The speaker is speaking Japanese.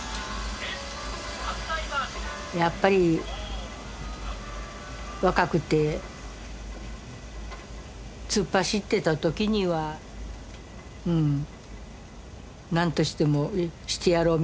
やっぱり若くて突っ走ってた時には「何としてもしてやろう！」